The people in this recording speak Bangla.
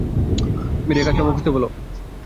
বেরিয়ে কাজকর্ম খুঁজতে বলো।